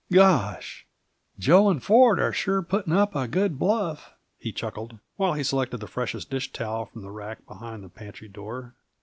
"Gosh! Jo and Ford are sure putting up a good bluff," he chuckled, while he selected the freshest dish towel from the rack behind the pantry door.